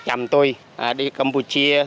chăm tôi đi campuchia